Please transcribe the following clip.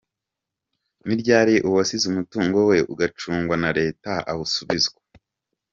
Ni ryari uwasize umutungo we ugacungwa na Leta awusubizwa?.